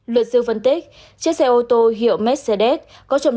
luật sư phân tích chiếc xe ô tô hiệu mercedes có trầm lực